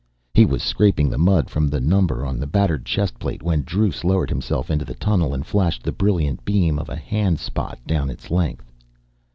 He was scraping the mud from the number on the battered chestplate when Druce lowered himself into the tunnel and flashed the brilliant beam of a hand spot down its length.